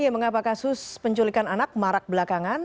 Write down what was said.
mengapa kasus penculikan anak marak belakangan